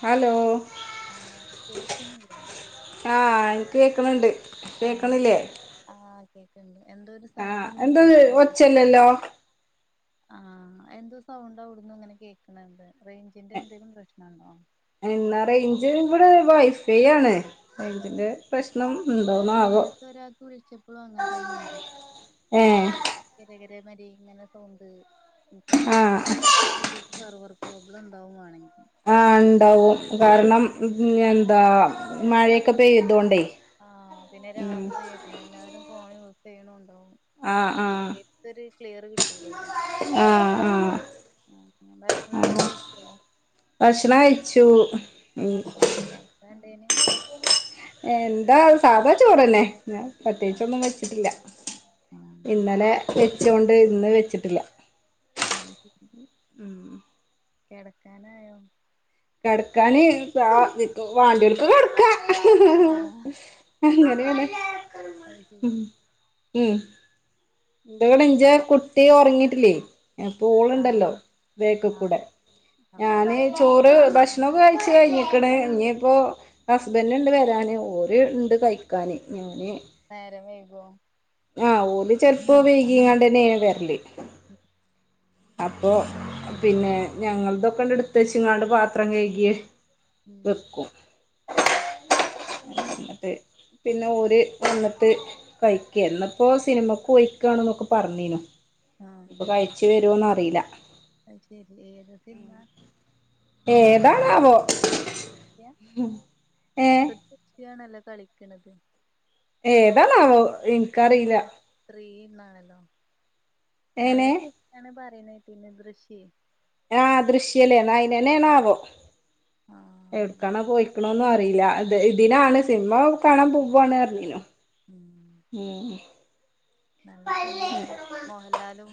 Hello ആഹ് കേക്കുന്നില്ലേ? ആഹ് എനിക്ക് കേക്കണുണ്ട്. ആഹ് ആഹ് കേക്കണ്ട് എന്തോരു സൗണ്ട് ആഹ് ഇങ്ങനെ എന്തത് കേൾക്കാത്തെ ഒച്ചല്ലല്ലോ ആഹ് എന്തോ സൗണ്ട് അവിടുന്നു ഇങ്ങനെ കേൾക്കണണ്ട് റേഞ്ചിന്റെ എന്തേലും പ്രശ്നാണോ എന്നാ റേഞ്ച് ഇവിടെ വൈഫൈ ആണ് അയിന്റെ പ്രശ്നം ഇണ്ടോ? ഏഹ്ഇപ്പൊ ഒരാൾക്ക് വിളിച്ചപ്പോളും അങ്ങനെ തന്നെ ആയിരുന്നു ഇങ്ങനെ ഏഹ് കിര കിര മാരി ഇങ്ങനെ സൗണ്ട് ആഹ് [unintelligible] സെർവർ പ്രോബ്ലം ഉണ്ടാവുവാണെങ്കിൽ ആഹ് ഉണ്ടാവും കാരണം എന്താ മഴയൊക്കെ പെയ്തോണ്ടേ ആഹ് പിന്നെ ഉം രാത്രിയല്ലേ എല്ലാരും ഫോൺ യൂസ് ചെയ്യണുവുണ്ടാവും ആഹ് ആഹ് മഴയത്ത് ഒരു ക്ലിയർ കിട്ടൂല്ലല്ലോ ആഹ് ആഹ് ഭക്ഷണൊക്കെ കഴിച്ചോ ആഹ് ഭക്ഷണം കഴിച്ചു ഉം എന്താ ഉണ്ടേന് എന്താ സാധാ ചോറ് തന്നെ ഞാൻ ആഹ് പ്രത്യേകിച്ചൊന്നും വെച്ചിട്ടില്ല ആഹ് ഇന്നലെ വെച്ചോണ്ട് ഇന്ന് വെച്ചിട്ടില്ല [unintelligible] ഉം കിടക്കാനായോ? കിടക്കാന് വാണ്ടിയോരുക്ക് കിടക്കാം ആഹ് അങ്ങനെയാണ് അത് ശരി ഉം ഉം [unintelligible] കുട്ടി ഉറങ്ങിട്ടില്ലേ അപ്പോ ആഹ് ഓളുണ്ടല്ലോ ബാക്കികൂടെ ആഹ് ആഹ് ആഹ് ഞാന് ചോറ് ഭക്ഷണവൊക്കെ കഴിച്ചു കഴിഞ്ഞിക്കണ് ഇനി ഇപ്പോ ഹസ്ബൻറ് ഉണ്ട് വരാന് ഓര് ഉണ്ട് കഴി ക്കാന് [unintelligible] നേരം വൈകോ ആഹ് ഓല് ചെലപ്പോൾ വൈകിങ്ങാണ്ടന്നെ വരല് ഉം അപ്പൊ പിന്നെ ഞങ്ങളതൊക്കെണ്ട് എടുത്തുച്ച് ഇങ്ങാണ്ട് പാത്രം കഴുകിയെ ഉം വെക്കും [unintelligible] അതെ പിന്നെ ഓര് വന്നിട്ട് കഴിക്ക ഇന്നിപ്പോ സിനിമക്ക് പോയി ഇരിക്കുവാന്നൊക്കെ പറഞ്ഞീന് ഇനീപ്പൊ ആഹ് കഴിച്ചു വരുമോന്ന് അറിയില്ല അത് ശെരി ഏത് സിനിമ ഏതാണ് ആവോ [unintelligible] കളിക്കണത് ഏതാണ് ആവോ എനിക്കറിയില്ല ഫ്രീ ഇന്നാണല്ലോ നല്ല എങ്ങനെ സെറ്റാണ് പറയുന്നേട്ടു ദൃശ്യേ ആഹ് ദൃശ്യല്ലേ എന്നാ അയിനനെ ആണോ ആവോ എവിടക്കാണോ ആഹ് പോയിക്കണോന്നും അറിയില്ല അത് ഇതിനാണ് സിനിമ കാണാൻ പോവാണ് പറഞ്ഞീനു ഉം ഉം നല്ല സിനിമയാണ് മോഹൻലാലും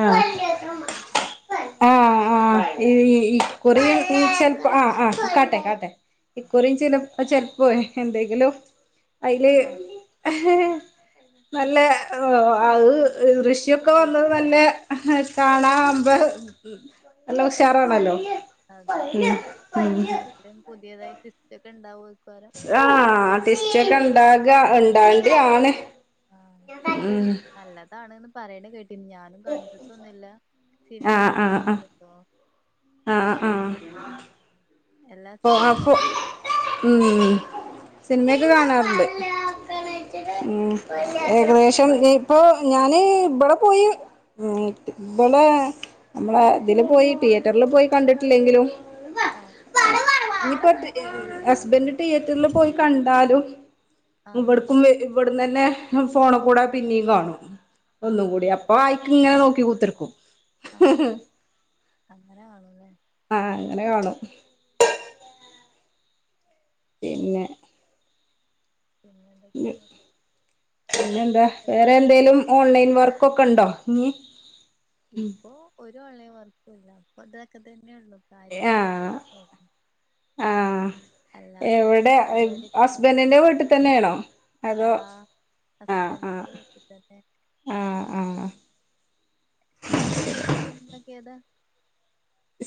ആ മീനയൊക്കെ ആഹ് സിനിമ ആഹ് ആഹ് ഈ കുറി ഈ ചെലപ്പോ ആ്ഹ്ആഹ് കാട്ടെ കാട്ടെ ഇക്കുറയും ചില ചെലപ്പോൾ എന്തെങ്കിലും അതില് ആഹ് നല്ല അത് ട്വിസ്റ്റ് ഋഷിയൊക്കെ വന്ന പ്രതീക്ഷിച്ചല്ലേ കാണാവുമ്പ നല്ലാം ഉഷാറാണല്ലോ അതെ ഉം ഉം എന്തെക്കയും പുതിയതായി സ്റ്റൊക്കെ ഉണ്ടാവോ കാരം ആഹ ടിസ്റ്റ ഒക്കെ ഉണ്ടാക ഉണ്ടാണ്ട ആണ് ആഹ് ഉം നല്ലതാണന്ന് പറയണ കേട്ട് പിന്നെ ഞാനും കണ്ടിട്ടൊന്നുമില്ല ആഹ് സിനിമയൊക്കെ ആഹ് ആഹ് കാണാൻ ഉണ്ട് ആഹ് ആഹ് എല്ലാ ഓഹ് സിനിമയും അപ്പോ കാണും ഉം സിനിമയൊക്കെ കാണാറുണ്ട് ഉ ഏതാ ഇഷ്ടപ്പെട്ട ഏകദേശം സിനിമ ഇപ്പൊ ഞാന് ഇവിടെ പോയി ഇവിള് നമ്മള് ഇതില് പോയി തിയേറ്ററിൽ പോയി കണ്ടിട്ടില്ലെങ്കിലും ആഹ് ഇനി ഇപ്പോൾ ഫോണില് കാണൂല്ലേ ഹസ്ബൻഡ് തിയേറ്ററിൽ പോയി കണ്ടാലും ആഹ് ഇവിടക്കും ഇവിടന്ന് തന്നെ ഫോണ് കൂട പിന്നെയും കാണും ഒന്ന ആഹ് കൂടി അപ്പ ആയിക്ക ഇങ്ങനെ നോക്കി കുൂത്തിർക്കും ആഹ് അങ്ങനെ കാണല്ലേ ആഹ് അങ്ങനെ കാണും പിന്നെ പിന്നെ എന്തൊക്കെയാണ് പിന്നെ ഏതാ എന്താ ഇഷ്ടപ്പെട്ട വേറെ സിനിമ എന്തേലും ഓൺലൈൻ വർക്കൊക്കെ ഉണ്ടോ ഇഞ്ഞി ഇപ്പൊ ഒരു ഓൺലൈൻ വർക്കുല്ല അപ്പൊ അതൊക്കെ തന്നെയ ഉള്ളൂ ആഹ് ആഹ് അല്ലാതെ ലിങ്ക് എവിടെ പരിപാടിയൊക്കെ നിർത്തി ഹസ്ബൻറിന്റെ വീട്ടിൽ തന്നെയാണോ അതോ ആഹ് ആഹ് ഹസ്ബൻ്റിൻ്റെ വീട്ടില് തന്നെ ആഹ് ആഹ് ഇഷ്ടപ്പെട്ട സിനിമക്കെ അതാ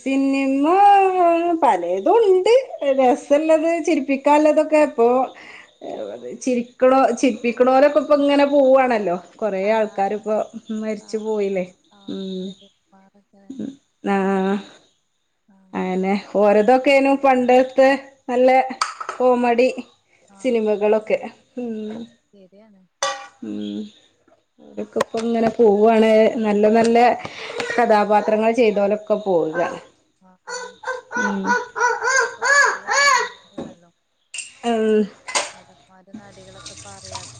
സിനിമ പലതും ഉണ്ട് രസ ള്ളത് ചിരിപ്പിക്കാല്ലതൊക്കെ ചിരിക്കണോ ചിരിപ്പിക്കണോരൊക്കെ ഇപ്പം ഇങ്ങനെ പോവാണല്ലോ കൊറെ ആഹ് ആൾക്കാരിപ്പോ മരിച്ചു ആഹ് ആഹ് പോയില്ലേ ആഹ് ഉം അതെ ആഹ് ആഹ് അങ്ങനെ ഓരോതൊക്കെനും പണ്ടത്തെ നല്ല കോമഡി ആഹ് സിനിമകളൊക്കെ ഉം ശരിയാണ് ഉം അവരൊക്കെ ഇപ്പം ഇങ്ങനെ പോവാണ് നല്ല നല്ല കഥാപാത്രങ്ങൾ ചെയ്തോലൊക്കെ പോവുക ആഹ് ഉം ഒക്കെ പുതിയ നടൻമാരാണല്ലോ അവൂ നടൻമാരും നടികളൊക്കെ അറിയാത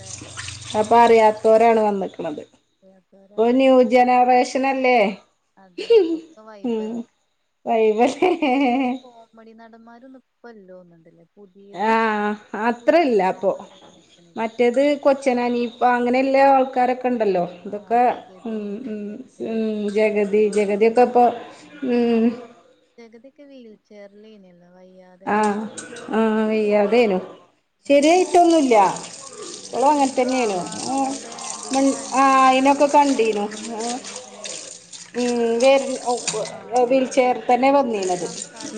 അപ്പൊ അറിയാത്തവരാണ് വന്നിക്കണത് അറിയാത്ത ഓഹ് ന്യൂ ജനറേഷനല്ലേ അതെ ഒക്കെ വൈബ് ഉം അല്ലേ വൈബല്ലേ ചപ്പോ മടി നടന്മാരും ഇപ്പല്ലോ തോന്നുണ്ടല്ലേ ആഹ് അത്രല്ല അപ്പൊ പറയാൻ കേക്കണില്ല മറ്റേത് കൊച്ചനാനീ അപ്പ അങ്ങനെയുള്ള ആൾക്കാരൊക്കെ ഉണ്ടല്ലോ ആഹ് ഇതൊക്കെ ജഗതി ഉം ഉം ഇന്നസെന്റ് ഉം സുകുമാർ ജഗതി ഓലൊക്കെ ജഗദീക്കപ്പോ ജ കതിയൊക്ക വീൽചർ ലേനല്ലോ വയ്യാ ആഹ് ആഹ് വയ്യാതേനു ആവോ ശരിയായിട്ടൊന്നുംല്ല ആഹ് എന്തോ ആവാർഡിന്റെ ഇതിൽ മൺ ആഹ് കണ്ടീനി അയിനൊക്കെ കണ്ടീനു ആഹ് വീൽചെയറിൽവന്നാണ്ട് തന്നെ ഉം വേര് ആഹ് അവിടെ വീൽചെയർ തന്നെ വന്നീന്നത്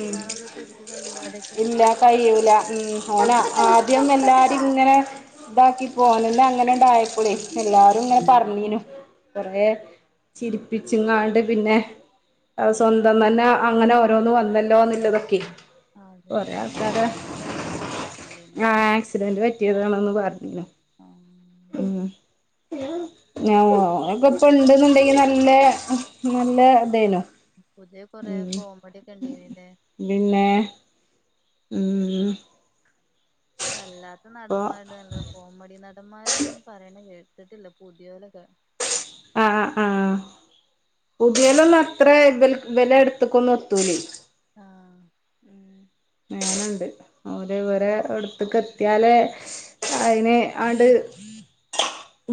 ഉം ശെരിക്ക് കയ്യാ അതൊക്കെ കഴൂല ഉം ഓനെ ആദ്യം എല്ലാരും ഇങ്ങനെ ഇതാക്കി പോനല്ല അങ്ങനെ ഇണ്ടായപ്പോളേ എല്ലാരും ഇങ്ങനെ പറഞ്ഞീനു കൊറെ ചിരിപ്പിച്ചുംങ്ങാണ്ട് പിന്നെ അത് ഉം സ്വ ന്തം തന്നെ അങ്ങനെ ഓരോന്ന് വന്നല്ലോ ന്നുള്ളതൊക്കെ അതെ കൊറെ അതെന്താ ആൾക്കാരെ ആക്സിഡന്റ് എന്തോ പറ്റിയില്ലേനോ ഞാ ആക്സിഡന്റ് പറ്റിയതാണന്ന് പറഞ്ഞു ആഹ് ഓ ക്കെ പ്പ ഇണ്ടെന്ന്ണ്ടെങ്കി നല്ല നല്ല ഇതായിന്നു പുതിയ കൊറെ കോമഡി ഒക്കെ ണ്ടായിനിലേ പിന്നെ ഉം പ്പല്ലാത്ത ഇപ്പൊ നടന്മാരു നല്ല കോമഡി നടന്മാരൊന്നും പറയണ കേ ത്തിട്ടില്ല പുതിയോലൊക്കെ ആ ആ ആ പുതിയൊലൊന്നും അത്ര ഇവ് ഇവലെ എടുത്തക്കൊന്നും എത്തൂലേ ആഹ് ങ്ങനെണ്ട് ഓര് ഇവരെ അടുത്തക്ക് എത്തിയാലേ അയിന് ആണ്ട്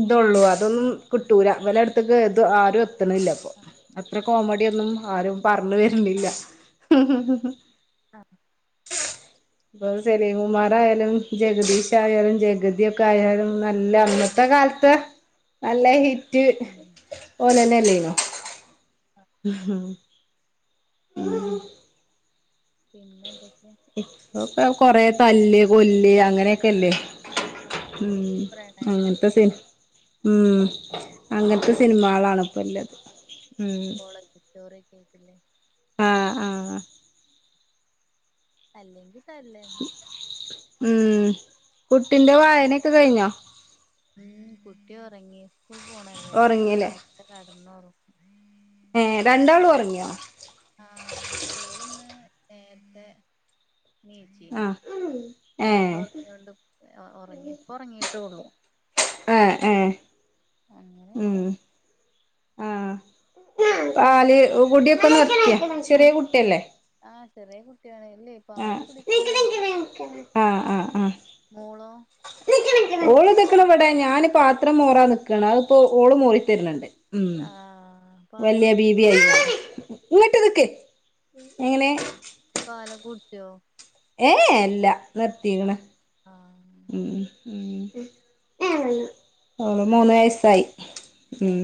ഇതൊള്ളൂ അതൊന്നും കിട്ടൂല ഇവലെടുത്തുക്ക് ത് ആരും എത്ത്ണില്ല ഇപ്പൊ അത്ര കോമഡി ഒന്നും ആരും പറഞ്ഞ് വരണില്ല ആ ഇപ്പൊ സലീം കുമാർ ആയാലും ജഗദീഷയാലും ജഗതി യൊ ക്കെയാലും നല്ല അന്നത്തെ കാലത്ത് നല്ല ഹിറ്റ് ഉം ഓലെന്നല്ലേനോ ആ ഉം ഉം പിന്നെന്തൊക്കെ ഇപ്പൊക്കെ കൊറെ തല്ല് കൊല്ല് അങ്ങനെക്കെല്ലേ ആഹ് ഉം അല്ലെങ്കിൽ അങ്ങനത്തെ പ്രണയായിട്ട് സി ഉം അങ്ങനത്തെ സിനിമളാണ് ഇപ്പോല്ലത് ഉം ചോറ് വെയിച്ച് പിന്നെ ആ ആഹ് അല്ലെങ്കിൽ തല്ലന്നെ ഉം കുട്ടിന്റെ വായനൊക്കെ കഴിഞ്ഞോ ഉം കുട്ടി ഉറങ്ങി സ്കൂൾ പോണല്ലേ അപ്പൊ ഉറങ്ങില്ലേ നേരത്തെ കടന്നോറങ്ങും ഏ രണ്ടാളോറങ്ങിയോ ആ മറ്റോള്ന്ന് നേരത്തെ നീച്ചീനി ആഹ് ഏഹ് നേരത്തെ ഉറങ്ങൊണ്ട് ഉറങ്ങി പ്പ ഉറങ്ങിട്ടേള്ളു ഏ ഏ അങ്ങനെയൊക്കെ ആഹ് അപ്പ പാല് ഫ്രീ കുടിയൊക്കെ നിർത്തിയ ചെറിയ കുട്ടിയല്ലേ ആ ചെറിയ കുട്ടിയാണ് ഇല്ലേ പാല് കുടിക്കണ് ണ്ട് ആ ആ ആ മോളോ ഓള് ഇതക്ക്ണ് ഇവ്ടേ ഞാന് പാത്രം മോറാന് നിക്കാണ് അതിപ്പോ ഓള് മോറിത്തര്ണ് ണ്ട് ആഹ് പാല് വല്യ ബീബി കുടിച്ചു ആയിങ്ങാണ്ട് ഇങ്ങട്ട് നിക്ക് എങ്ങനെ ഇപ്പൊ പാലൊക്കെ കുടിക്കോ ഏഹ് ഏഹ് ഇല്ല നിർത്തിക്ക്ണ് ആഹ് ആഹ് ഉം ഉം ഓള് മൂന്ന് വേറെന്തൊക്കെ വയസായി ഉം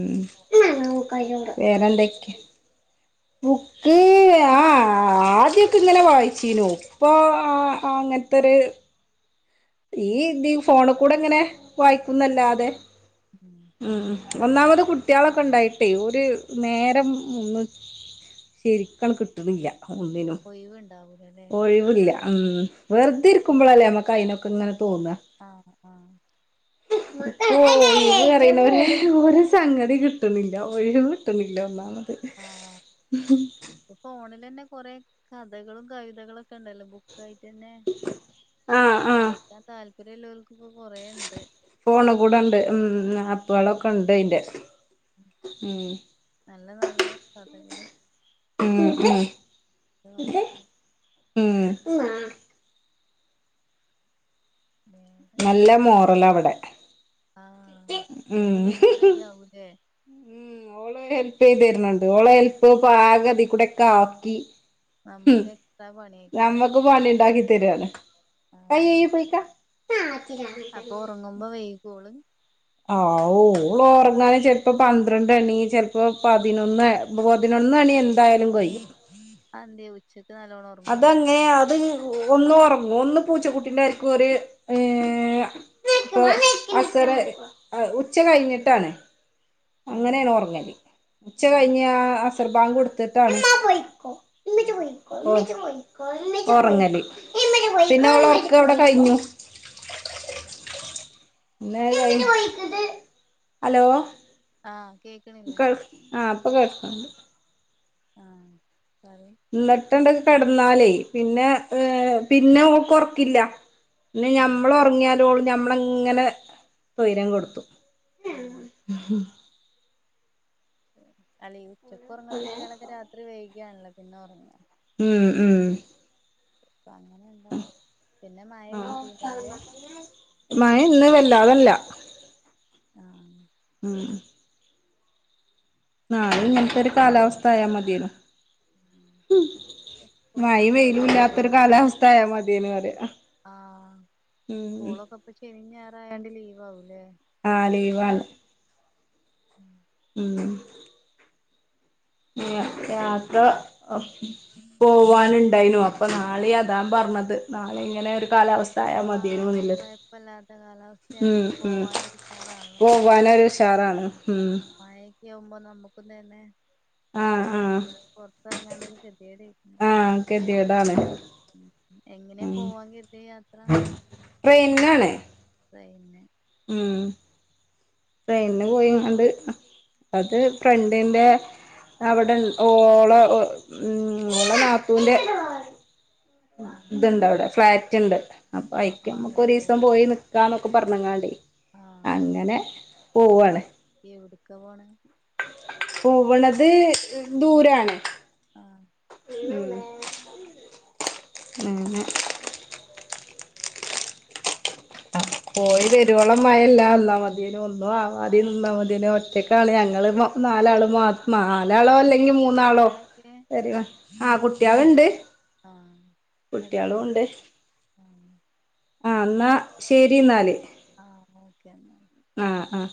ബുക്കൊക്കെ വായിക്കല് വേറെന്തൊക്കെ ബുക്ക്‌ ആഹ് ആദ്യൊക്കെ ഇങ്ങനെ വായിച്ചീനു ഇപ്പൊ അങ്ങനത്തൊരു ഈ ഇത് ഫോണ് കൂടെ ഇങ്ങനെ വായിക്കുംന്ന് അല്ലാതെ ഉം ഉം ഒന്നാമത് കുട്ടികളൊക്കെ ഉണ്ടായിട്ടേ ഒരു നേരം ഒന്ന് ശരിക്കണ് കിട്ട്ണില്ല ഒന്നിനും ഒയിവ്ഇണ്ടാവും ഒഴിവില്ല ഉം വെറുതെ ഇരിക്കുമ്പോളല്ലേ നമക്ക് അയിനൊക്കെ ഇങ്ങനെ തോന്നാ ആഹ് ആഹ് ഇപ്പൊ ഒഴിവ് പറയ്ണ ഒരു ഒരു സംഗതി കിട്ട്ണില്ല ഒഴിവ് കിട്ട്ന്നില്ല ഒന്നാമത് ആഹ ഇ ഫോണിലെന്നെ കൊറേ കഥകളും കവിതകളൊക്കെ ഉണ്ടല്ലോ ബു യിട്ടെന്നെ ആ ആ വായിക്കാൻ താല്പര്യംള്ളോൽക്ക് ഫോണ് കൂടണ്ട് ഉം ആപ്പാളൊക്കെ ഇണ്ട് അയിന്റെ ഉം നല്ല നല്ല കഥകള് ഉം ഉം അത്‌ വായിക്ക ഉം വേറെ നല്ല മോറലാ ഇവിടെ ആഹ ഓള് ഹെൽപ് ചെയ്യാവുലേ ഓൾ ഹെൽപ് ചെയ്ത് തര്ണണ്ട് ഓളെ ഹെൽപ്പ് ഇപ്പൊ ആകെ ഇതിൽകൂടെ ഒക്കെ ആക്കി ഉം നമ്മക്ക് എക്സ്ട്രാ പണിയേക്കാരം ഞമ്മക്ക് പണി ഇണ്ടാക്കി തരാണ് കൈ ആഹ് കയികി പൊയ്ക്ക അങ്ങുമ്പോ വെയിക്കോ ഓള് ആഹ് ഓള് ഉറങ്ങാൻ ചിലപ്പോ പന്ത്രണ്ട് മണി ചിലപ്പോ പതിനൊന്ന് പതിനൊന്ന് മണി എന്തായാലും കയ്യും അത് എന്ത്യേ ഉച്ചയ്ക്ക് നല്ലോണം ഒറങ്ങോ അതങ്ങനെ അത് ഒന്ന് ഉറങ്ങും ഒന്ന് പൂച്ചക്കുട്ടിന്റെമാര്ക്ക് ഒരു ഏഹ് ഇപ്പൊ അസറ് ഉച്ച കഴിഞ്ഞിട്ടാണ് ആഹ് അങ്ങനെയാണ് ഒറങ്ങല് ഉച്ച ആഹ് കഴിഞ്ഞ് ആ അസർബാങ്ക് കൊടുത്തിട്ടാണ് ഉം ഒറങ്ങല് പിന്നെ ഓളെ ഒറക്ക് അവിടെ കഴിഞ്ഞു പിന്നെ അത്‌ കയിഞ്ഞ് ഹലോ ആഹ കേക്ക് കേൾ ആഹ് ഇപ്പൊ കേക്കാണ്ട് ആഹ് പറയ് ഇന്നിട്ട് അണ്ട് കിടന്നാലേ പിന്നെ ഏഹ് പിന്നെ ഓക്ക് ഒറക്കില്ല പിന്നെ ആഹ് ഞമ്മൾ ഉറങ്ങിയാലും ഓള് ഞമ്മളെ ഇങ്ങനെ തൊയ്രം കെടുത്തും ആഹ് [unintelligible] അല്ലെ ഈ ഉച്ചക്ക് ഉറങ്ങ്ണ കുട്ട്യാളൊക്കെ രാത്രി വൈകി ആണല്ലോ പിന്നെ ഉറങ്ങ ഉം ഉം അപ്പ അങ്ങനെ ഇണ്ടാവും പിന്നെ മഴ പെയ്തിണ്ടേൽ ആഹ് മഴ ഇന്ന് വല്ലാ അതല്ല ആഹ് ഉം ആഹ് അത് ഇങ്ങനത്തെ ഒരു കാലാവസ്ഥ ആയാ മതിയേന്ന് ഉം എപ്പോളൊന്നും ഉണ്ടാവില്ലന്നല്ലേ കാലാവസ്ഥ കത്യകൾക്ക് ആയാൽ മതിയേനു പറയാ ആഹ് ഉം സ്കൂളൊക്കെ ഇപ്പൊ ശനിയും ഞറായതുണ്ട് ലീവ് ആവൂല്ലേ ആഹ് ലീവാന്ന് ഉം ഉം.. ത്ര [unintelligible] പോവാൻയിണ്ടായിനു അപ്പോ നാളെ അതാ പറഞ്ഞത് നാളെ ഇങ്ങനെ ഒരു കാലാവസ് ചായ ആഹ് മതിനന്നില്ല് കൊഴപ്പല്ലാത്ത ഉം കാലാവസ്ഥയാണെങ്കി ഉം പോവാനും ഉഷാറാണല്ലോ പോവാനരു ചാറാണ് ആഹ് ഉം മഴയൊക്കെ ആവുമ്പോ നമ്മുക്കെ തന്നെ ആഹ് കൊടൊക്കെ ആഹ് പിടിച്ച് പുറത്തിറങ്ങാനൊരു പ്രത്യകത ആഹ് ഗതികേടാണ് എങ്ങനെയ പോവാൻ കിട്ടിയ യാത്ര ട്രെയിനിൽ ആണ് ട്രെയിന് ഉം ട്രെയിനിന് പോയിയെങ്ങാണ്ട് അത് ഫ്രണ്ടിന്റെ അവിടെ ഓള് ഉ ഓൾടെ നാത്തൂന്റെ ഇതണ്ട് അവിടെ ഫ്ളാറ്റ് ഇണ്ട്. അപ്പോ ആഹ് അയിക്കമക്ക് അങ്ങട്ട് ഒരു പോവാ ദിവസം പോയി നിക്കാന്നൊക്കെ പറഞ്ഞങ്ങാണ്ടേ അങ്ങനെ പോവാണ്. എവിടെക്കെ പോണേ പോവാണത് ദൂരാണ്. ആഹ് ഉം [inaudible] പോയി വെരുവോളം മഴയില്ല അന്നാ മതിനു ഒന്നും ആവാതെ ആഹ് ഇരുന്ന മതിയേനും ഒ ഒറ്റക്കാണ് ഞങ്ങള് നാലാള് മാ നാലാളോ അല്ലെങ്കിൽ മൂന്നാളോ കുട്ട്യാളൊക്കെ വരിക ആഹ് കുട്ടിയാൾ ഉണ്ട് ആഹ് കുട്ടിയാളും വല്ല്യോല് ഉണ്ടേ ഉം. ആ എന്നാ ശരി എന്നാല് ആഹ് ഓക്കെ എന്നൽ ആഹ് ആഹ്